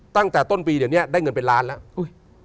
ตั้งแต่ต้นปีเดี๋ยวนี้ได้เงินเป็นล้านแล้ว